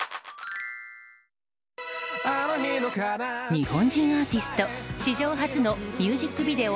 日本人アーティスト史上初のミュージックビデオ